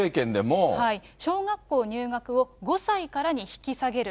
小学校入学を５歳からに引き下げる。